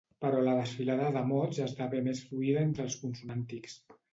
Però la desfilada de mots esdevé més lluïda entre els consonàntics.